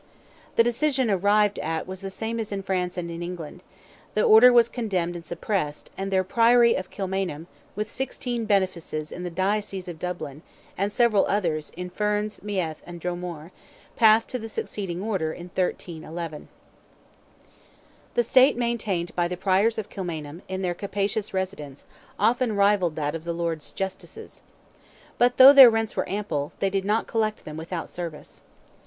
The decision arrived at was the same as in France and England; the order was condemned and suppressed; and their Priory of Kilmainham, with sixteen benefices in the diocese of Dublin, and several others, in Ferns, Meath, and Dromore, passed to the succeeding order, in 1311. The state maintained by the Priors of Kilmainham, in their capacious residence, often rivalled that of the Lords Justices. But though their rents were ample, they did not collect them without service.